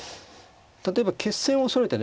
例えば決戦を恐れてね